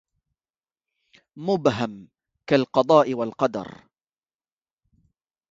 مبهم كالقضاء والقدر